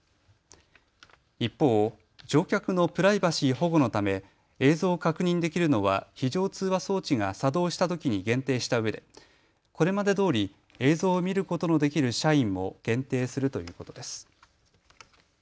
一方、乗客のプライバシー保護のため、映像を確認できるのは非常通話装置が作動したときに限定したうえでこれまでどおり映像を見ることのできる社員も限定するということです。